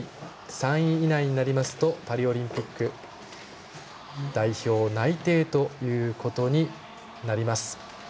３位以内になりますとパリオリンピック代表内定ということになります。